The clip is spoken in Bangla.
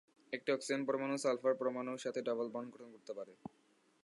একটি অক্সিজেন পরমাণু সালফার পরমাণুর সাথে ডাবল বন্ড গঠন করতে পারে।